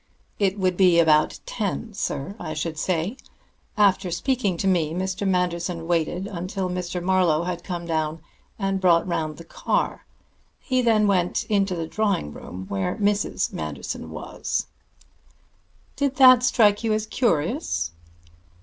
"It would be about ten, sir, I should say. After speaking to me, Mr. Manderson waited until Mr. Marlowe had come down and brought round the car. He then went into the drawing room, where Mrs. Manderson was." "Did that strike you as curious?"